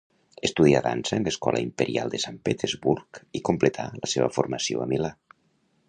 Estudià dansa en l'escola Imperial de Sant Petersburg i completà la seva formació a Milà.